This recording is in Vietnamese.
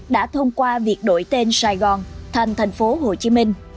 đã thông qua việc đổi tên sài gòn thành thành phố hồ chí minh